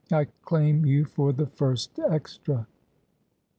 I claim you for the first extra.'